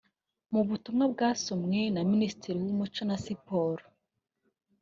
Mu butumwa bwasomwe na Minisitiri w’Umuco na Siporo